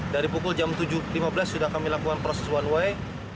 dari pukul jam tujuh lima belas sudah kami lakukan proses one way